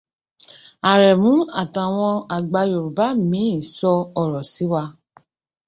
Àrẹ̀mú àtàwọn àgbà Yorùbá míì sọ ọ̀rọ̀ sí wa.